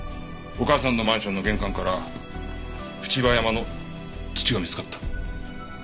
お母さんのマンションの玄関から朽葉山の土が見つかった。